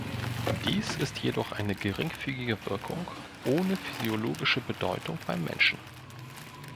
Dies ist jedoch eine geringfügige Wirkung ohne physiologische Bedeutung beim Menschen.